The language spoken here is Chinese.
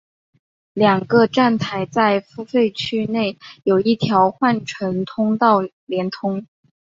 两个站台在付费区内有一条换乘通道连通。